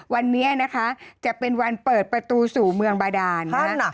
วันนี้นะคะจะเป็นวันเปิดประตูสู่เมืองบาดานนั่นเหรอ